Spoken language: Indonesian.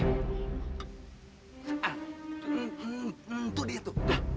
itu dia tuh